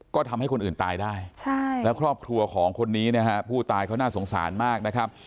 ก็ทำให้คนอื่นตายได้และครอบครัวของคนนี้ผู้ตายเขาน่าสงสารมาก